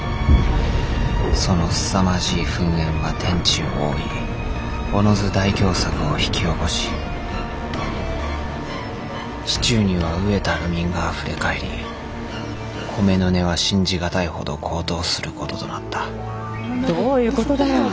そのすさまじい噴煙は天地を覆いおのず大凶作を引き起こし市中には飢えた流民があふれ返り米の値は信じがたいほど高騰することとなったどういうことだよ！